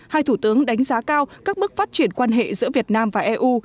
hai thủ tướng đánh giá cao các bước phát triển quan hệ giữa việt nam và eu